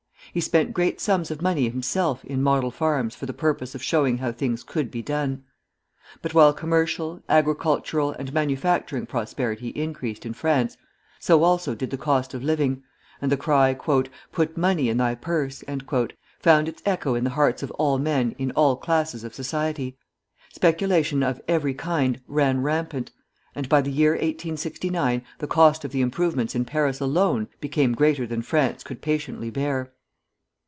He spent great sums of money himself in model farms for the purpose of showing how things could be done. But while commercial, agricultural, and manufacturing prosperity increased in France, so also did the cost of living; and the cry, "Put money in thy purse!" found its echo in the hearts of all men in all classes of society. Speculation of every kind ran rampant, and by the year 1869 the cost of the improvements in Paris alone became greater than France could patiently bear.